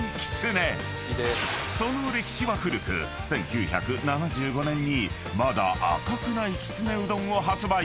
［その歴史は古く１９７５年にまだ赤くないきつねうどんを発売］